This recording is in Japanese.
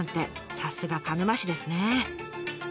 さすが鹿沼市ですね。